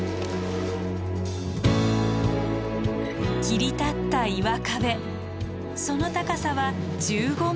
切り立った岩壁その高さは１５ｍ。